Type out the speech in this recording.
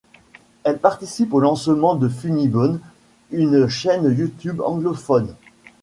Elle participe au lancement de Funny Bones, une chaîne Youtube anglophone.